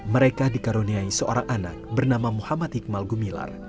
mereka dikaruniai seorang anak bernama muhammad hikmal gumilar